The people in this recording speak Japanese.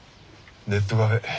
ネットカフェ。